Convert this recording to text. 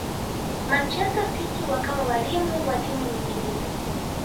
manchester city wakawa walimu wa timu nyingine